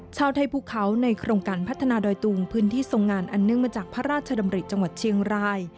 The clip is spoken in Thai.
ชาวไทยภูเขาในโครงการพัฒนาดอยตุงพื้นที่ทรงงานอันเนื่องมาจากพระราชดำริจังหวัดเชียงราย